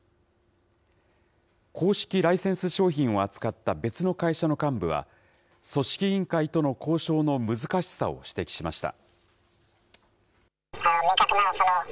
公式ライセンス商品を扱った別の会社の幹部は、組織委員会との交渉の難しさを指摘しました。